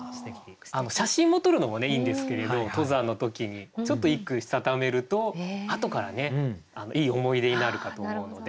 写真も撮るのもいいんですけれど登山の時にちょっと一句したためるとあとからねいい思い出になるかと思うので。